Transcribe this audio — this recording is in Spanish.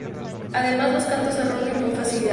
Además los cantos se rompen con facilidad.